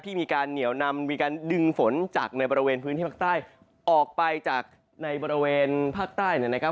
มีการเหนียวนำมีการดึงฝนจากในบริเวณพื้นที่ภาคใต้ออกไปจากในบริเวณภาคใต้เนี่ยนะครับ